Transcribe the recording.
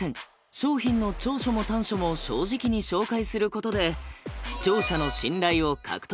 商品の長所も短所も正直に紹介することで視聴者の信頼を獲得。